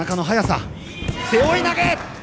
背負い投げ！